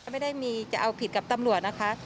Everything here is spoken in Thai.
ไม่ได้มีจะเอาผิดกับตำรวจนะคะ